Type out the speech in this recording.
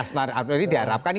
asmar abdul ini diharapkan